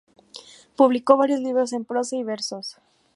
Publicó varios libros en prosa y versos.